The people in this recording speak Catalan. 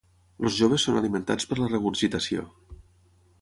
Els joves són alimentats per la regurgitació.